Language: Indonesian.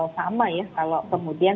sama ya kalau kemudian